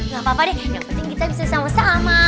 gak apa apa deh yang penting kita bisa sama sama